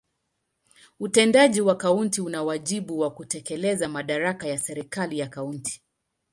Utendaji wa kaunti una wajibu wa kutekeleza madaraka ya serikali ya kaunti.